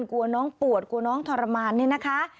กว้าน้องปวดกว้าน้องทรมาน